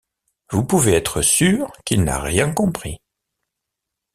Vous pouvez être sûres qu’il n’a rien compris.